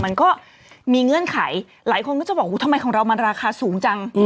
มันก็มีเงื่อนไขหลายคนก็จะบอกทำไมของเรามันราคาสูงจัง